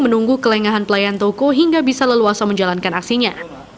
menunggu kelengahan pelayan toko hingga bisa leluasa menjalankan aksinya